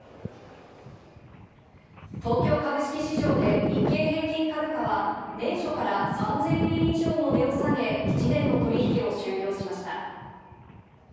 東京株式市場で日経平均株価は、年初から３０００円以上も値を下げ、１年の取り引きを終了しました。